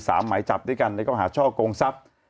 สามหมายจับด้วยกันได้ก็หาช่อโกงทรัพย์